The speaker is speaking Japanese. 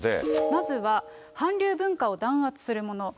まずは、韓流文化を弾圧するもの。